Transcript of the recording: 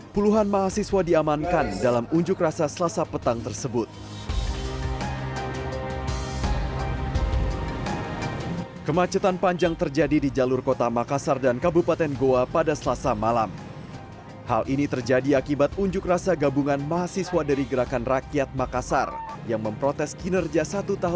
puluhan mahasiswa diamankan dalam unjuk rasa selasa petang tersebut